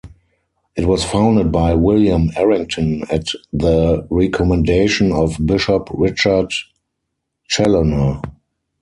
It was founded by William Errington at the recommendation of Bishop Richard Challoner.